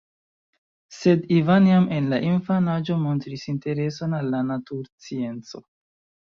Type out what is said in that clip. Sed Ivan jam en la infanaĝo montris intereson al naturscienco.